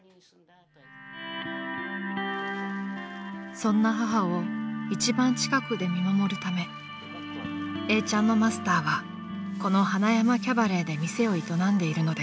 ［そんな母を一番近くで見守るため永ちゃんのマスターはこの塙山キャバレーで店を営んでいるのです］